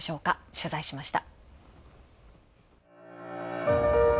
取材しました。